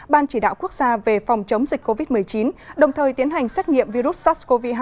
ban chỉ đạo quốc gia về phòng chống dịch covid một mươi chín đồng thời tiến hành xét nghiệm virus sars cov hai